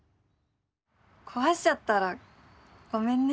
壊しちゃったらごめんね。